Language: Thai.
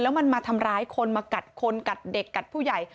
มันมาทำร้ายคนมากัดคนกัดเด็กกัดผู้ใหญ่